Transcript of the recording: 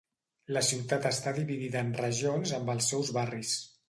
La ciutat està dividida en regions amb els seus barris.